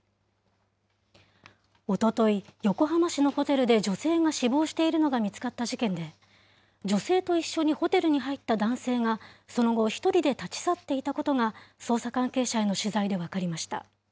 おととい、横浜市のホテルで女性が死亡しているのが見つかった事件で、女性と一緒にホテルに入った男性が、その後、１人で立ち去っていたことが捜査関係者への取材で分かりました。